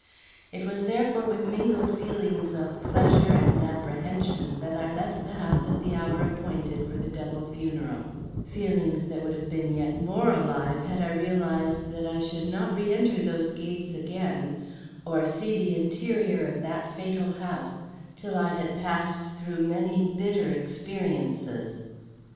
It was, therefore, with mingled feelings of pleasure and apprehension that I left the house at the hour appointed for the double funeral; feelings that would have been yet more alive had I realized that I should not re enter those gates again, or see the interior of that fatal house, till I had passed through many bitter experiences.